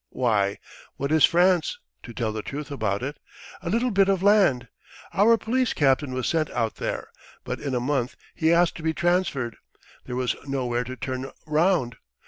.. Why, what is France, to tell the truth about it? A little bit of land. Our police captain was sent out there, but in a month he asked to be transferred: there was nowhere to turn round!